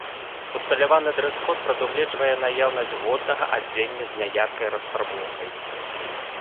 Усталяваны дрэс-код прадугледжвае наяўнасць годнага адзення з няяркай расфарбоўкай.